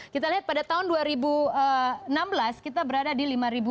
kita lihat pada tahun dua ribu enam belas kita berada di lima enam